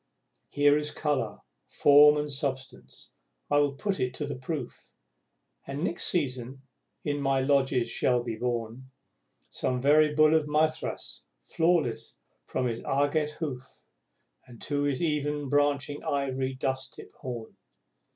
Here is colour, form and substance, I will put it to the proof And, next season, in my lodges shall be born Some very Bull of Mithras, flawless from his agate hoof To his even branching ivory, dusk tipped horn.